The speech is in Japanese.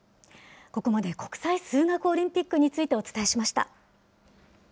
ここまで国際数学オリンピックについてお伝えしました。